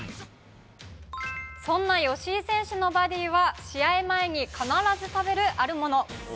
そんな吉井選手のバディは、試合前に必ず食べるあるもの。